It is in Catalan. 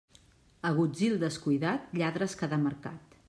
Agutzil descuidat, lladres cada mercat.